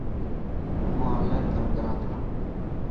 هون اونلان ڪم ڪران ٿو.